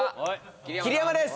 桐山です